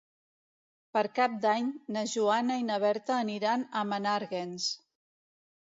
Per Cap d'Any na Joana i na Berta aniran a Menàrguens.